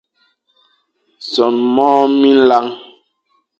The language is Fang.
Son môr minlañ,